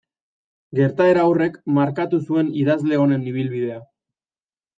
Gertaera horrek markatu zuen idazle honen ibilbidea.